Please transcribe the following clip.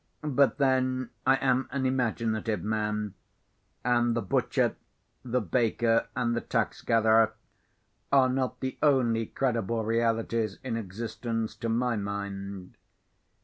But then I am an imaginative man; and the butcher, the baker, and the tax gatherer, are not the only credible realities in existence to my mind.